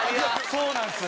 そうなんです。